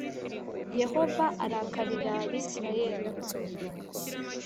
yehova arakarira abisirayeli